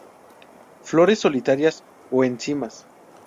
Flores solitarias o en cimas.